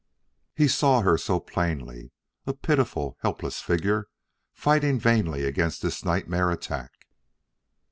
He saw her so plainly a pitiful, helpless figure, fighting vainly against this nightmare attack.